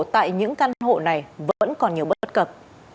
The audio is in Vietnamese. tại những căn hộ này vẫn còn nhiều bất cập